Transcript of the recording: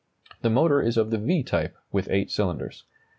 The motor is of the V type, with 8 cylinders.